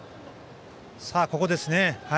さあ、ここですね。